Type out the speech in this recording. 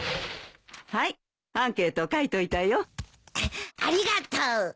はいアンケート書いといたよ。ありがとう。